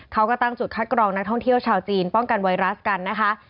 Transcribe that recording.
เขาก็ตั้งจุดคัดกรองนักท่องเที่ยวชาวจีนป้องกันไวรัสกันนะคะ